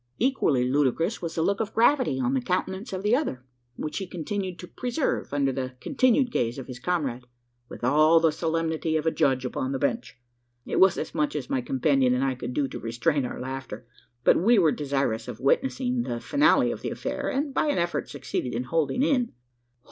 Equally ludicrous was the look of gravity on the countenance of the other which he continued to preserve under the continued gaze of his comrade, with all the solemnity of a judge upon the bench. It was as much as my companion and I could do to restrain our laughter; but we were desirous of witnessing the finale of the affair, and, by an effort, succeeded in holding in.